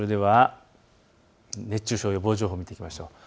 熱中症予防情報を見ていきましょう。